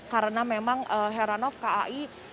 karena memang heranov kai